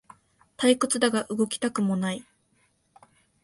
退屈だが動きたくもない